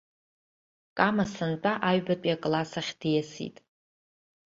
Кама сынтәа аҩбатәи акласс ахь диасит.